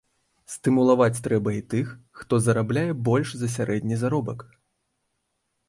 Стымуляваць трэба і тых, хто зарабляе больш за сярэдні заробак.